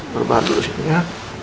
berbantu disini ya